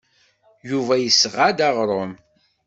Yuba yesɣa-d aɣrum.